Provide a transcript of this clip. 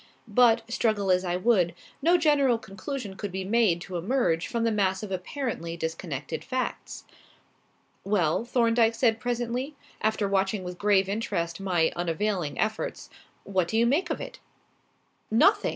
But, struggle as I would, no general conclusion could be made to emerge from the mass of apparently disconnected facts. "Well?" Thorndyke said presently, after watching with grave interest my unavailing efforts; "what do you make of it?" "Nothing!"